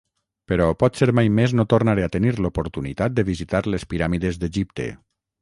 Però potser mai més no tornaré a tenir l'oportunitat de visitar les piràmides d'Egipte.